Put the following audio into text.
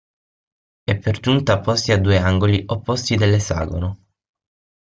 E per giunta posti a due angoli opposti dell'esagono…